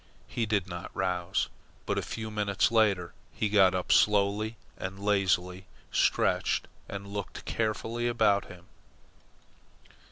He did not rouse then but a few minutes later he got up slowly and lazily, stretched, and looked carefully about him.